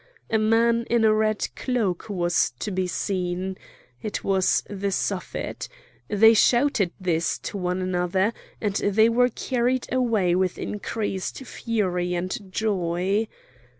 A man in a red cloak was to be seen; it was the Suffet; they shouted this to one another; and they were carried away with increased fury and joy.